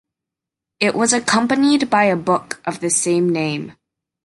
It was accompanied by a book of the same name.